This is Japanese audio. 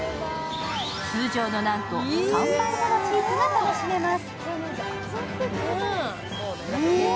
通常のなんと３倍ものチーズが楽しめます。